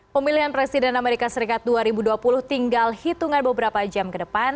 pemilihan presiden amerika serikat dua ribu dua puluh tinggal hitungan beberapa jam ke depan